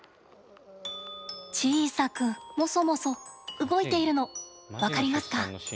小さく、モソモソ動いているの分かりますか？